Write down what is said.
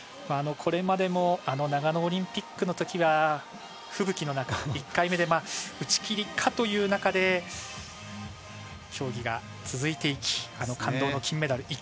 これまでも長野オリンピックのときは吹雪の中１回目で打ち切りかという中で競技が続いていきあの感動の金メダル。